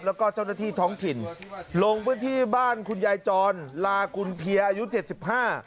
แล้วก็เจ้าหน้าที่ท้องถิ่นลงพื้นที่บ้านคุณยายจรลากุลเพียอายุเจ็ดสิบห้า